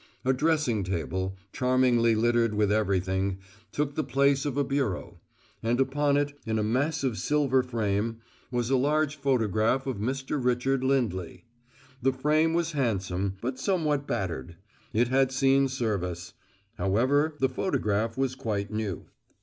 A dressing table, charmingly littered with everything, took the place of a bureau; and upon it, in a massive silver frame, was a large photograph of Mr. Richard Lindley. The frame was handsome, but somewhat battered: it had seen service. However, the photograph was quite new.